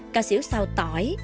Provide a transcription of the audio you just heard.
cà xỉu xào tỏi